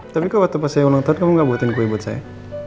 tapi kok waktu pas saya ulang tahun kamu gak buatin kue buat saya